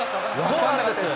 そうなんですよね。